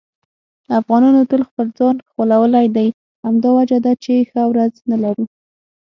افغانانو تل خپل ځان غولولی دی. همدا وجه ده چې ښه ورځ نه لرو.